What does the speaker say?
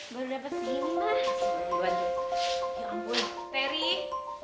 baru dapet begini ma